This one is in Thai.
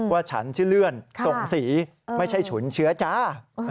ฉันชื่อเลื่อนส่งสีไม่ใช่ฉุนเชื้อจ้า